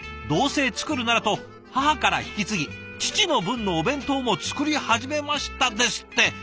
どうせ作るならと母から引き継ぎ父の分のお弁当も作り始めました」ですって。